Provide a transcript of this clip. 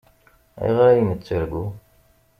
Ayɣer ay nettargu?